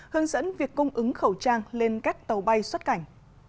hướng dẫn việc cung ứng khẩu trang lên các tàu bay xuất cảnh